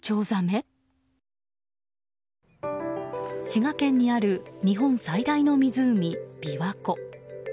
滋賀県にある日本最大の湖、琵琶湖。